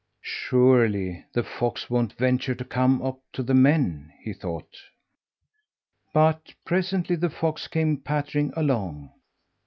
"Surely the fox won't venture to come up to the men," he thought. But presently the fox came pattering along.